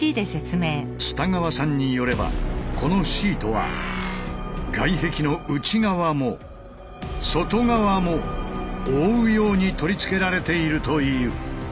蔦川さんによればこのシートは外壁の内側も外側も覆うように取り付けられているという。